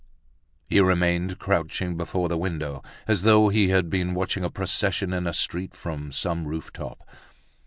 He remained crouching before the window, as though he had been watching a procession in a street, from some rooftop.